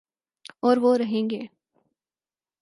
اوروہ رہیں گے۔